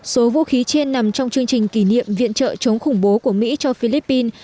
số vũ khí trên nằm trong chương trình kỷ niệm viện trợ chống khủng bố của mỹ cho philippines